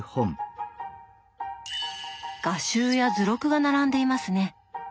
画集や図録が並んでいますね。